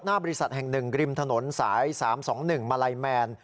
บริษัทแห่ง๑ริมถนนสาย๓๒๑มาลัยแมน